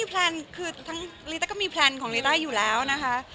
ก็แยกย้ายลิต้าก็มีแพลนของลิต้าอยู่แล้วนะคะ